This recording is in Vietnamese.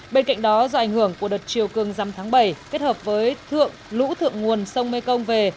bên cạnh đó do ảnh hưởng của đợt chiều cương dăm tháng bảy kết hợp với thượng lũ thượng nguồn sông mekong về